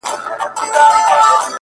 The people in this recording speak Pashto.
• یوه ورځ کفن کښ زوی ته ویل ګرانه,